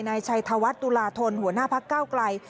นายชัยธวัฒน์ตุลาธนหัวหน้าพักเก้าไกล